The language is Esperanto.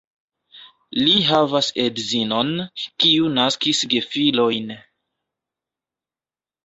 Li havas edzinon, kiu naskis gefilojn.